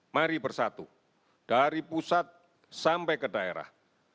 mari bersatu dari pusat sampai ke daerah